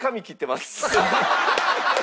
ハハハハ！